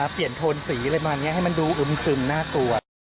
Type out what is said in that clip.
เปลี่ยนโทนสีอะไรแบบนี้ให้มันดูอุ่นขึงน่ากลัว